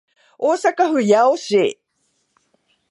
大阪府八尾市